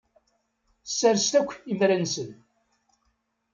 Sserset akk imra-nsen.